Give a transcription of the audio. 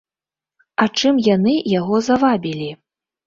А чым яны яго завабілі?